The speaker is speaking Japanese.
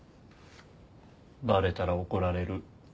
バレたら怒られる。